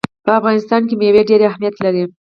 په افغانستان کې مېوې ډېر اهمیت لري.